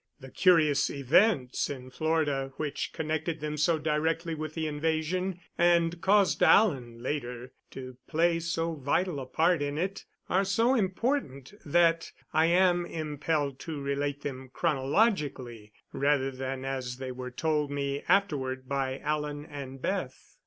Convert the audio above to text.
The curious events in Florida, which connected them so directly with the invasion and caused Alan later to play so vital a part in it, are so important that I am impelled to relate them chronologically, rather than as they were told me afterward by Alan and Beth.